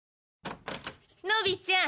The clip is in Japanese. のびちゃん